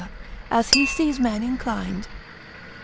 as he sees men inclined.